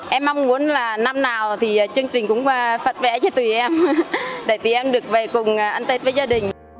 em mong muốn năm nào chương trình cũng phát vé cho tụi em để tụi em được về cùng ăn tết với gia đình